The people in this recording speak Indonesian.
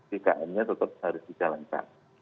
kegigalan tetap harus dijalankan